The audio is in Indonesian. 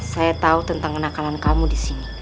saya tau tentang kenakanan kamu disini